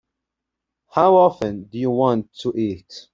How often do you want to eat?